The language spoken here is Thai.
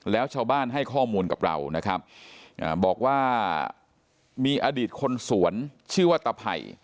แล้วชาวบ้านให้ข้อมูลกับเรานะครับบอกว่ามีอดีตคนสวนชื่อว่าตะไผ่